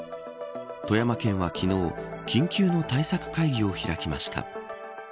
富山県は昨日緊急の対策会議を開きました。